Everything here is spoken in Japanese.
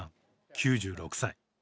９６歳